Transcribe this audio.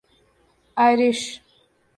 Irish